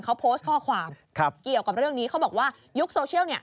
ข้อความเกี่ยวกับเรื่องนี้เขาบอกว่ายุคโซเชียล